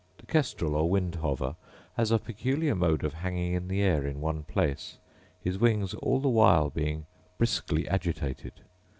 The kestrel, or wind hover, has a peculiar mode of hanging in the air in one place, his wings all the while being briskly agitated.